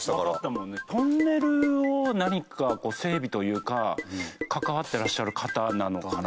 トンネルを何かこう整備というか関わってらっしゃる方なのかな？